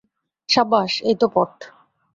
সাবাস্, এই তো পথ।